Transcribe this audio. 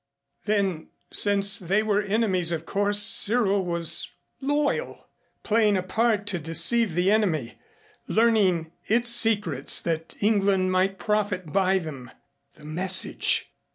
Then since they were enemies of course Cyril was loyal playing a part to deceive the enemy learning its secrets that England might profit by them. The message!